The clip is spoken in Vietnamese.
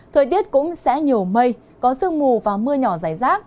thời tiết cũng sẽ nhiều mây có sương mù và mưa nhỏ rải rác